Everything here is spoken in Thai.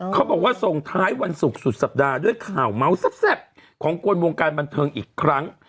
เขาบอกว่าส่งท้ายวันศุกร์สุดสัปดาห์ด้วยข่าวเมาส์แซ่บของคนวงการบันเทิงอีกครั้ง